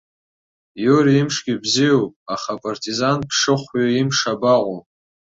Иури имшгьы бзиоуп, аха апартизан ԥшыхәҩы имш абаҟоу?